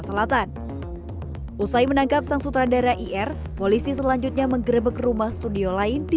selatan usai menangkap sang sutradara ir polisi selanjutnya menggerebek rumah studio lain di